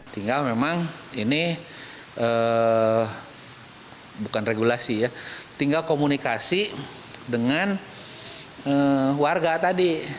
tinggal memang ini bukan regulasi ya tinggal komunikasi dengan warga tadi